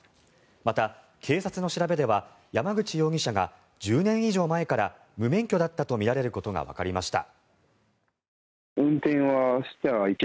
また、警察の調べでは山口容疑者が１０年以上前から無免許だったとみられることがわかりました。